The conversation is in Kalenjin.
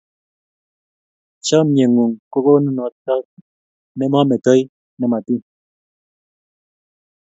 Chomye ng'ung' ko konunot ne mametoi ne matiny.